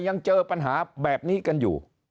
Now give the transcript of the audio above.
ยังเจอปัญหาแบบนี้กันอยู่